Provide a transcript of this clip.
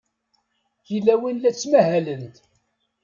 Tilawin la ttmahalent.